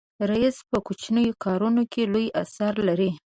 رسۍ په کوچنیو کارونو کې لوی اثر لري.